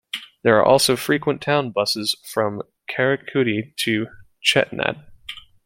There are also frequent town buses from Karaikudi to Chettinad.